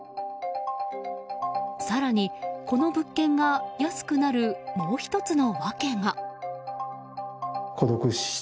更に、この物件が安くなるもう１つの訳が。